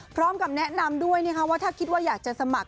พร้อมกับแนะนำด้วยว่าถ้าคิดว่าอยากจะสมัคร